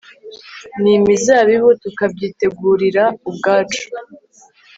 ni mizabibu tukabyitegurira ubwacu